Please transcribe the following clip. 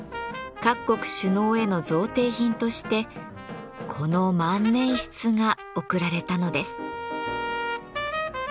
各国首脳への贈呈品としてこの万年筆が贈られたのです。